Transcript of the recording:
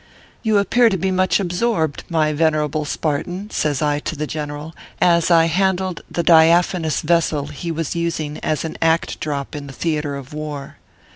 255 " You appear to be much absorbed, my venerable Spartan/ says I to the General, as I handled the diaphanous vessel he was using as an act drop in the theatre of war.